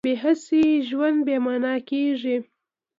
بې هڅې ژوند بې مانا کېږي.